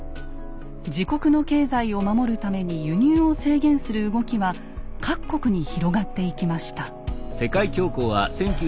自国の経済を守るために輸入を制限する動きは各国に広がっていきました。